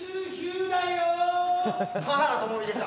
華原朋美でした。